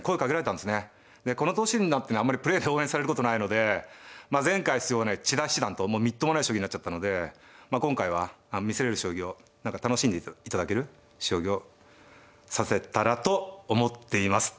この年になってねあんまりプレーで応援されることないのでまあ前回出場はね千田七段ともうみっともない将棋になっちゃったので今回は見せれる将棋を何か楽しんでいただける将棋を指せたらと思っています。